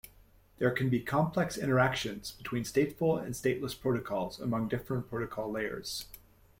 There can be complex interactions between stateful and stateless protocols among different protocol layers.